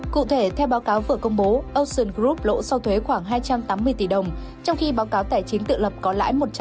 cụ thể theo báo cáo vừa công bố ocean group lỗ sau thuế khoảng hai trăm tám mươi tỷ đồng trong khi báo cáo tài chính tự lập có lại